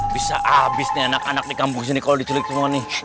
bisa habis nih anak anak di kampung sini kalau diculik semua nih